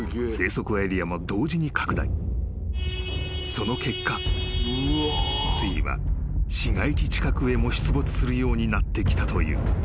［その結果ついには市街地近くへも出没するようになってきたという］